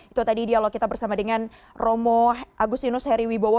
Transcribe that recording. itu tadi dialog kita bersama dengan romo agustinus heri wibowo